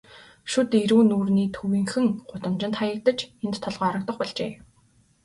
Шүд эрүү нүүрний төвийнхөн гудамжинд хаягдаж, энд толгой хоргодох болжээ.